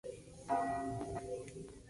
Cada escena presenta la letra correspondiente.